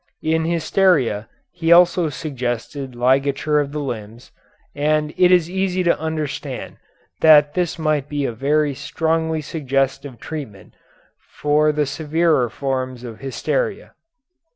In hysteria he also suggested ligature of the limbs, and it is easy to understand that this might be a very strongly suggestive treatment for the severer forms of hysteria.